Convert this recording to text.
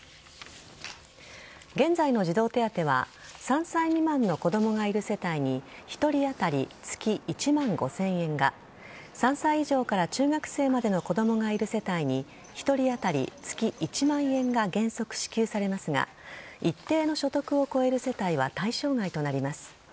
現在の児童手当は３歳未満の子供がいる世帯に１人当たり月１万５０００円が３歳以上から中学生までの子供がいる世帯に１人当たり月１万円が原則支給されますが一定の所得を超える世帯は対象外となります。